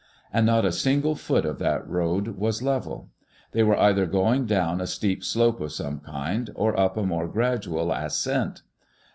And not a single foot of that road was level. They were either going down a steep slope of some kind, or up a more gradual ascent.